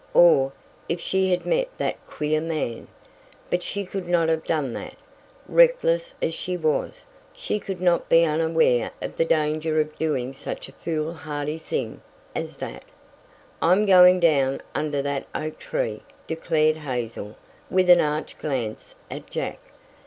Or, if she had met that queer man? But she could not have done that! Reckless as she was, she could not be unaware of the danger of doing such a fool hardy thing as that! "I'm going down under that oak tree," declared Hazel, with an arch glance at Jack.